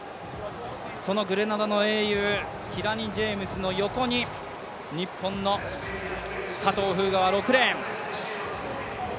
そのグレナダの英雄、キラニ・ジェームズの横に日本の佐藤風雅は６レーン。